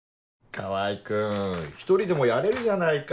川合君１人でもやれるじゃないか。